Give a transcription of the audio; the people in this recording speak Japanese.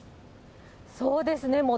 そうですね。